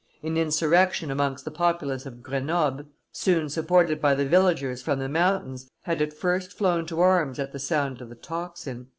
An insurrection amongst the populace of Grenoble, soon supported by the villagers from the mountains, had at first flown to arms at the sound of the tocsin.